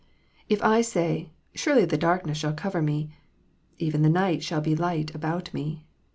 If I say, Surely the darkness shall cover me ; even the night shall be light about me.